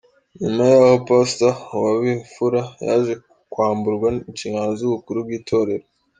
Nyuma yaho Pastor Uwabimfura yaje kwamburwa inshingano z’ubukuru bw’itorero.